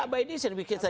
by design bisa saja